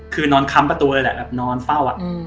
คือนอนค้ำประตูเลยแหละแบบนอนเฝ้า